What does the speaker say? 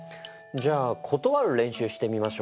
じゃあことわる練習してみましょ。